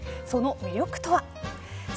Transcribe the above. その魅力とは。